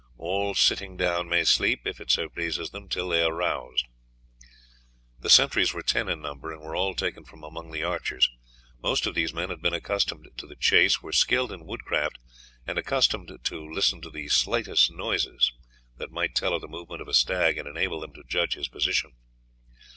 "All sitting down may sleep, if it so pleases them, till they are roused." The sentries were ten in number, and were all taken from among the archers. Most of these men had been accustomed to the chase, were skilled in woodcraft, and accustomed to listen to the slightest noises that might tell of the movement of a stag and enable them to judge his position.